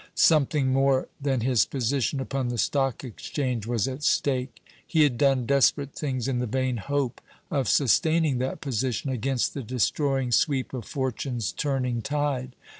Something more than his position upon the Stock Exchange was at stake. He had done desperate things in the vain hope of sustaining that position against the destroying sweep of Fortune's turning tide.